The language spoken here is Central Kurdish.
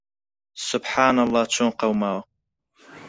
سوبحانەڵڵا چۆن قەوماوە!